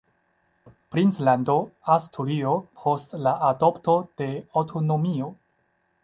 Princlando Asturio, post la adopto de aŭtonomio.